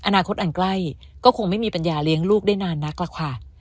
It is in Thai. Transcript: อนาคตอันใกล้ก็คงไม่มีปัญญาเลี้ยงลูกได้นานนักหรอกค่ะ